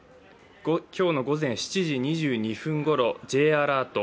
今日の午前７時２２分ごろＪアラート